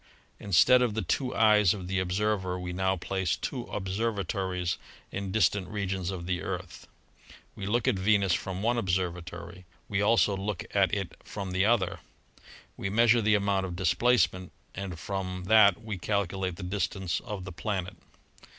Instead of the two eyes of the observer, we now place two observatories in distant regions of the Earth ; we look at Venus from one observatory, we also look at it from the other; we measure the amount of displacement and from that we calculate the distance of the planet.